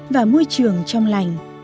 và môi trường trong lành